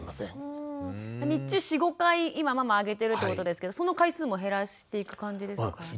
日中４５回今ママあげてるってことですけどその回数も減らしていく感じですかね？